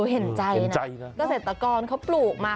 เห็นใจนะเกษตรกรเขาปลูกมา